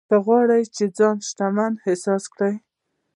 که غواړې چې ځان شتمن احساس کړې.